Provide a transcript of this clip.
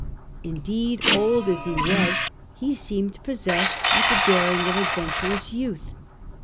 Indeed, and pushed old as he was, he seemed possessed with the^p^iau daring of adventurous youth.